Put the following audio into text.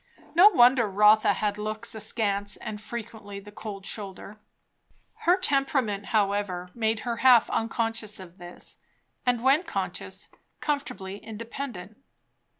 No wonder Rotha had looks askance and frequently the cold shoulder. Her temperament, however, made her half unconscious of this, and when conscious, comfortably independent.